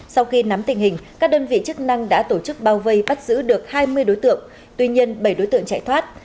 sau khi nắm tình hình các đơn vị chức năng đã tổ chức bao vây bắt giữ được hai mươi đối tượng tuy nhiên bảy đối tượng chạy thoát